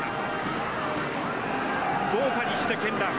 豪華にして絢爛。